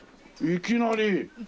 いきなり。